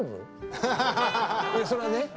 いやそれはね